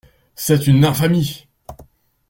C’est une infamie !…